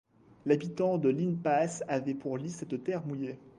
L'habitant de l' in-pace avait pour lit cette terre mouillée.